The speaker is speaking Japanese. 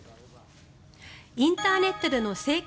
インターネットでの成果